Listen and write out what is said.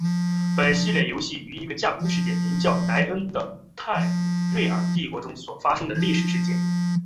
本系列游戏于一个架空世界名叫奈恩的泰姆瑞尔帝国中所发生的历史事件。